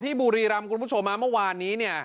ที่บุรีร้ำกรุ่งผู้ชมมาเมื่อวานนี้เนี่ย